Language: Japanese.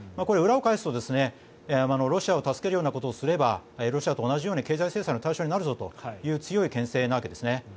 これは裏を返すとロシアを助けるようなことをすればロシアと同じように経済制裁の対象になるぞという強いけん制なわけですね。